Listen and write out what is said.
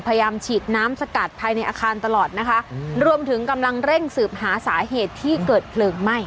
พยายามฉีดน้ำสกัดภายในอาคารตลอดนะคะรวมถึงกำลังเร่งสืบหาสาเหตุที่เกิดเพลิงไหม้